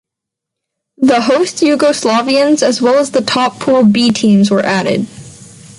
The host Yugoslavians as well as the top pool 'B' teams were added.